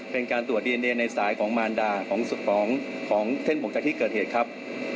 เป็นการตรวจดีเอนเอในสายของมารดาของเส้นผมจากที่เกิดเหตุครับ